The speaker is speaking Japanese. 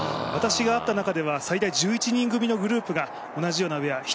私が会った中では最大１１人組のグループが同じウエア。